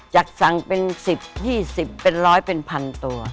จากสั่งเป็น๑๐๒๐เป็นร้อยเป็นพันตัว